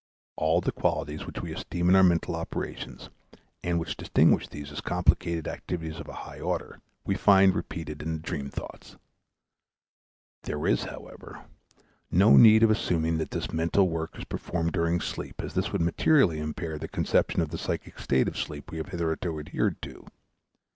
All the qualities which we esteem in our mental operations, and which distinguish these as complicated activities of a high order, we find repeated in the dream thoughts. There is, however, no need of assuming that this mental work is performed during sleep, as this would materially impair the conception of the psychic state of sleep we have hitherto adhered to.